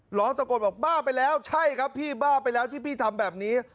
ร้องตะโกนบอกบ้าไปแล้วใช่ครับพี่บ้าไปแล้วที่พี่ทำแบบนี้